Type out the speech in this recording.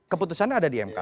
keputusan ada di mk